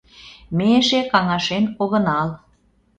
— Ме эше каҥашен огынал.